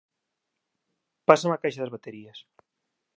Pásame a caixa das baterías.